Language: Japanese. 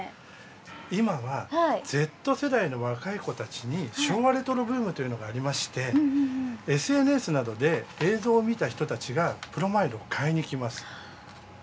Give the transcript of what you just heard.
今はＺ世代の若い子たちに昭和レトロブームがありましてＳＮＳなどで映像を見た人たちがブロマイドを買いに来ます。